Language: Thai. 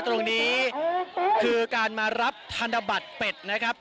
ตรงนี้คือการมารับธนบัตรเป็ดนะครับ